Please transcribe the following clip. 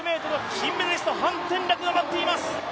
金メダリスト潘展樂が待っています。